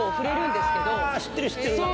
あ知ってる知ってる。